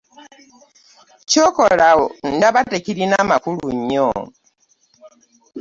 Ky'okola ndaba tekirina makulu nnyo.